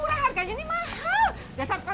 lu apaan sih dari tadi ngikutin mak mulu biar seru mak